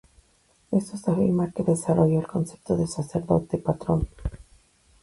Eso es afirmar que desarrolló el concepto de sacerdote-patrón.